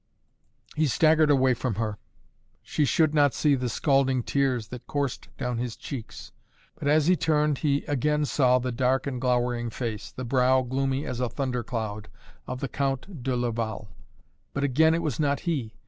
He staggered away from her. She should not see the scalding tears that coursed down his cheeks. But, as he turned, he again saw the dark and glowering face, the brow gloomy as a thunder cloud, of the Count de Laval. But again it was not he.